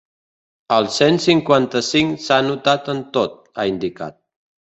El cent cinquanta-cinc s’ha notat en tot, ha indicat.